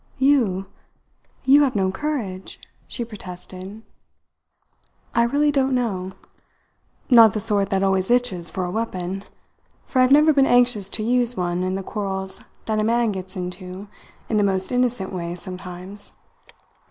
"You! You have no courage?" she protested. "I really don't know. Not the sort that always itches for a weapon, for I have never been anxious to use one in the quarrels that a man gets into in the most innocent way sometimes.